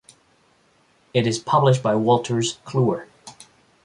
It is published by Wolters Kluwer.